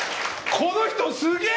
この人、すげえ！